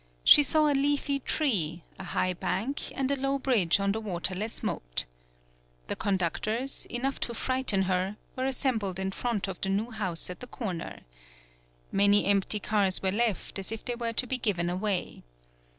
She saw a leafy tree, a high bank and a low bridge on the waterless moat. The conduc tors, enough to frighten her, were as sembled in front of the new house at the corner. Many empty cars were left as if they were to be given away.